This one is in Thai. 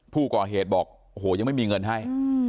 ผู้ก่อเหตุบอกโอ้โหยังไม่มีเงินให้